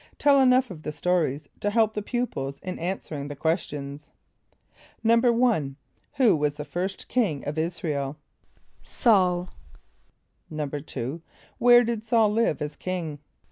(Tell enough of the stories to help the pupils in answering the questions.) =1.= Who was the first king of [)I][s+]´ra el? =S[a:]ul.= =2.= Where did S[a:]ul live as king?